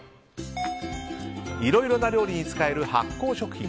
いろいろな料理に使える発酵食品。